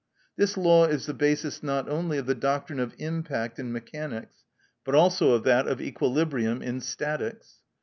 This law is the basis not only of the doctrine of impact in mechanics, but also of that of equilibrium in statics.